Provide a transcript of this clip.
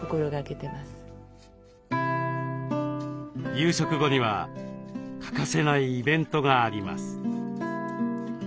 夕食後には欠かせないイベントがあります。